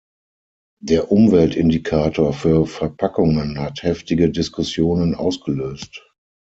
Der Umweltindikator für Verpackungen hat heftige Diskussionen ausgelöst.